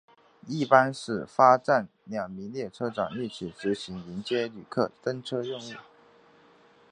一般在始发站两名列车长一起执行迎接旅客登车任务。